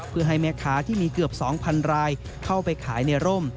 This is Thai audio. เพื่อให้แม่ค้าที่มีเกือบ๒๐๐๐รายเข้าไปขายในร่ม